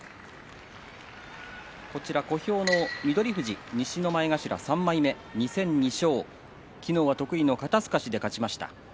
小兵の翠富士、西の前頭３枚目２戦２勝昨日は得意の肩すかしで勝ちました。